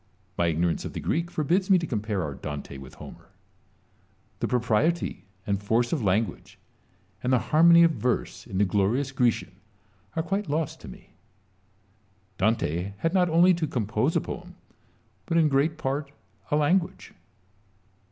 My ignorance of the Greek forbids me to compare our Dante with Homer. The propriety and force of language and the harmony of verse in the glorious Grecian are quite lost to me. Dante had not only to compose a poem, but in great part a language.